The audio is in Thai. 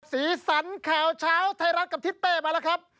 สีสันข่าวเช้าไทยรัฐกับทิศเป้มาแล้วครับ